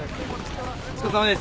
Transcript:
・お疲れさまです。